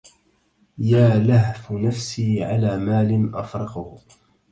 يالهف نفسي على مال أفرقه